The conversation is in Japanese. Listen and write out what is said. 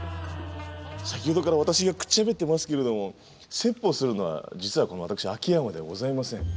先ほどから私がくっちゃべってますけれども説法するのは実はこの私秋山ではございません。